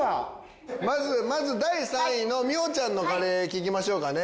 まず第３位の美穂ちゃんのカレー聞きましょうかね。